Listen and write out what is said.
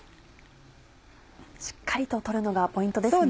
しっかりと取るのがポイントですね。